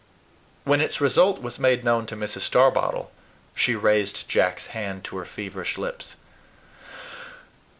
When its result was made known to Mrs. Starbottle, she raised Jack's hand to her feverish lips.